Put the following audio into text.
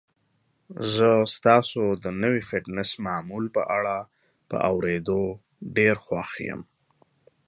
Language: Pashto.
زه ستاسو د نوي فټنس معمول په اړه په اوریدو ډیر خوښ یم.